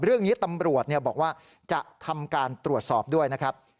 เรื่องนี้ตำรวจบอกว่าจะทำการตรวจสอบด้วยนะครับ